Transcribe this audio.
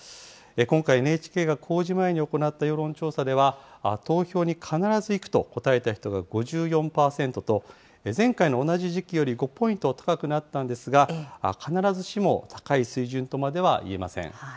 今回、ＮＨＫが公示前に行った世論調査では、投票に必ず行くと答えた人が５４％と、前回の同じ時期より５ポイント高くなったんですが、必ずしも高い水準とまでは言えません。